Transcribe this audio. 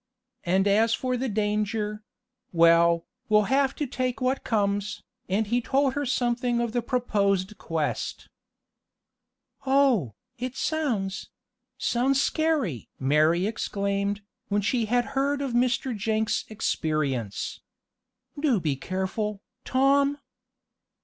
And as for the danger well, we'll have to take what comes," and he told her something of the proposed quest. "Oh, it sounds sounds scary!" Mary exclaimed, when she had heard of Mr. Jenks' experience. "Do be careful, Tom!"